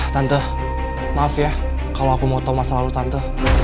tante maaf ya kalau aku mau tahu masa lalu tante